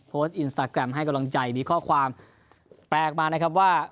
อินสตาแกรมให้กำลังใจมีข้อความแปลกมานะครับว่า